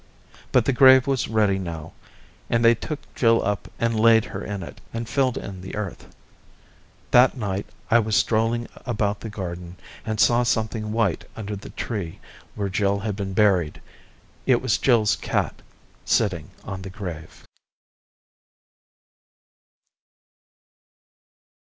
But the grave was ready by now, and they took Jill up and laid her in it and filled in the earth. 183 That night I was strolling about the garden and saw something white under the tree where Jill had been buried. It was Jill's cat sitting on the grave.